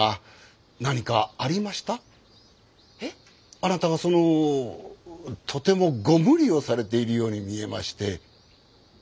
あなたがそのとてもご無理をされているように見えまして。